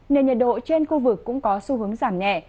nền nhiệt độ trên khu vực cũng có xu hướng giảm nhẹ